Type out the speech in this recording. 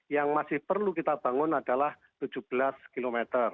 yang masih perlu kita bangun adalah tujuh belas km